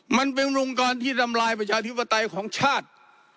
มันเป็นองค์กรที่ทำลายประชาธิปไตยของชาติ